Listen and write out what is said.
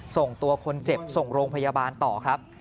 ส่งตัวคนเจ็บส่งโรงพยาบาลต่อครับ